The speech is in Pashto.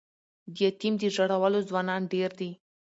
د یتیم د ژړولو ځوانان ډیر دي